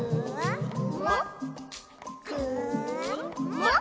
「もっ？